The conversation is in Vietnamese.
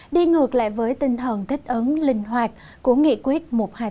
đi ngược lại với tinh thần thích ứng linh hoạt của nghị quyết một trăm hai mươi